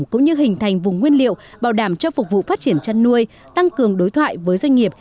cũng như hình thành vùng nguyên liệu bảo đảm cho phục vụ phát triển chăn nuôi tăng cường đối thoại với doanh nghiệp